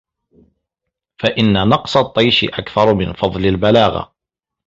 فَإِنَّ نَقْصَ الطَّيْشِ أَكْثَرُ مِنْ فَضْلِ الْبَلَاغَةِ